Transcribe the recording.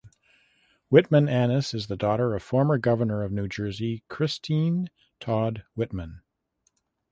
Whitman Annis is the daughter of former Governor of New Jersey Christine Todd Whitman.